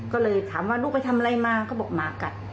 ก็เลยถามว่าลูกไปทำอะไรมาเขาบอกหมากัด